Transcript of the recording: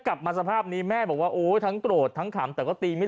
กลับมาสภาพนี้แม่บอกว่าโอ้ยทั้งโกรธทั้งขำแต่ก็ตีไม่